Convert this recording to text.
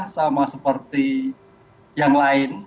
sama seperti yang lain